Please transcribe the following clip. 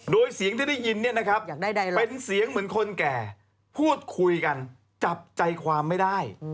โดยเสียงที่ได้ยินเนี่ยนะครับเป็นเสียงเหมือนคนแก่พูดคุยกันจับใจความไม่ได้